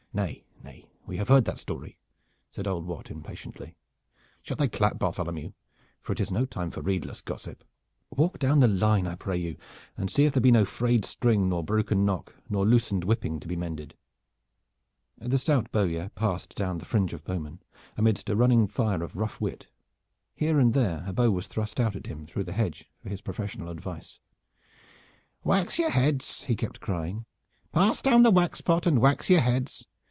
"Nay, nay, we have heard that story!" said old Wat impatiently. "Shut thy clap, Bartholomew, for it is no time for redeless gossip! Walk down the line, I pray you, and see if there be no frayed string, nor broken nock nor loosened whipping to be mended." The stout bowyer passed down the fringe of bowmen, amidst a running fire of rough wit. Here and there a bow was thrust out at him through the hedge for his professional advice. "Wax your heads!" he kept crying. "Pass down the wax pot and wax your heads.